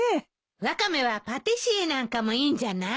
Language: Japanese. ワカメはパティシエなんかもいいんじゃない。